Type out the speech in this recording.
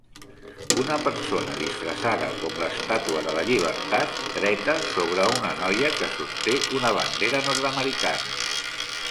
Una persona disfressada com l'estàtua de la llibertat dreta sobre una noia que sosté una bandera nord-americana.